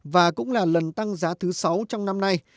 và cũng là lần tăng giá thứ sáu trong năm nay